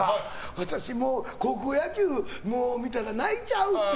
私、高校野球見たら泣いちゃうって。